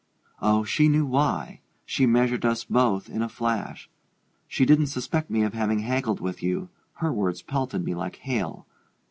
Oh, she knew why she measured us both in a flash. She didn't suspect me of having haggled with you her words pelted me like hail.